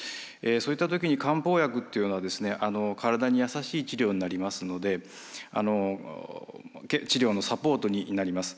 そういった時に漢方薬というのは体にやさしい治療になりますので治療のサポートになります。